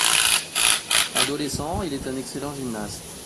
Adolescent, il est un excellent gymnaste.